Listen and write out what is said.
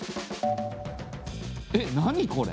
えっ何これ？